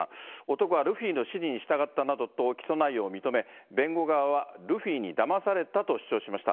男はルフィの指示に従ったなどと起訴内容を認め、弁護側はルフィにだまされたと主張しました。